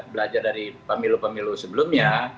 belajar dari pemilu pemilu sebelumnya